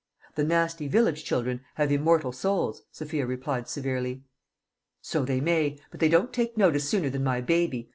"The 'nasty village children' have immortal souls," Sophia replied severely. "So they may; but they don't take notice sooner than my baby.